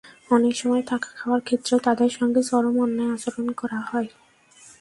অনেক সময় থাকা-খাওয়ার ক্ষেত্রেও তাদের সঙ্গে চরম অন্যায় আচরণ করা হয়।